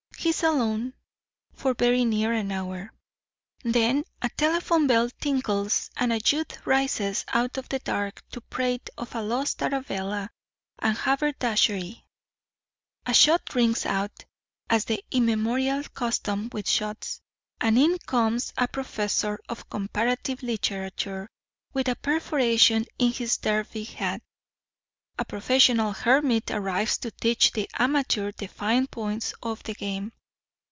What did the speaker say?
He is alone for very near an hour. Then a telephone bell tinkles, and a youth rises out of the dark to prate of a lost Arabella, and haberdashery. A shot rings out, as the immemorial custom with shots, and in comes a professor of Comparative Literature, with a perforation in his derby hat. A professional hermit arrives to teach the amateur the fine points of the game.